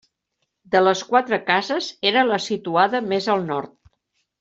De les quatre cases, era la situada més al nord.